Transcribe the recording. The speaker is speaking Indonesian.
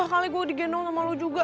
mogah kali gue digendong sama lo juga